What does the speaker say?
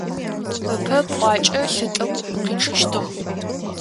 Ыпэ пӏуакӏэ лъы тӏэкӏу къичъыщтыгъ.